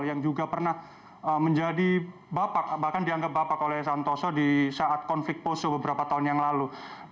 yang juga pernah menjadi bapak bahkan dianggap bapak oleh santoso di saat konflik poso beberapa tahun yang lalu